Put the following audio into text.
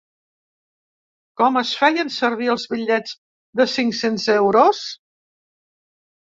Com es feien servir els bitllets de cinc-cents euros?